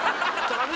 ダメ？